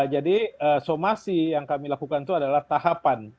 jadi somasi yang kami lakukan itu adalah tahapan